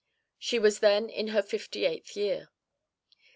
She was then in her fifty eighth year.